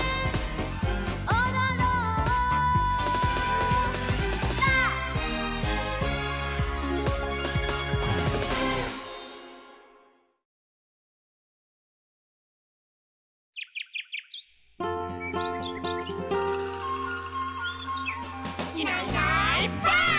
「おどろんぱ！」「いないいないばあっ！」